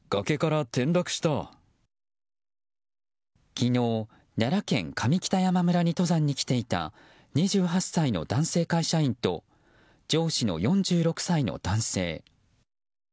昨日、奈良県上北山村に登山に来ていた２８歳の男性会社員と上司の４６歳の男性。